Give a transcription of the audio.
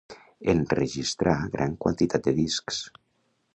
Enregistrà gran quantitat de discs.